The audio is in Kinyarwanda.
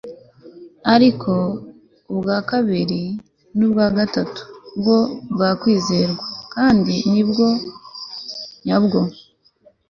ariko ubwa kabiri n'ubwa gatatu bwo bwakwizerwa kandi ni uburyo nyabwo